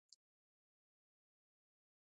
د مزار شریف هوايي ډګر فعال دی